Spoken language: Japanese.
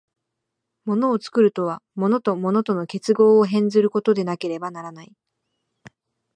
物を作るとは、物と物との結合を変ずることでなければならない。